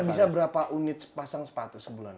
bisa berapa unit sepasang sepatu sebulan